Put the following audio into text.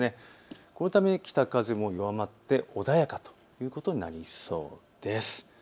このため北風も弱まって穏やかということになりそうです。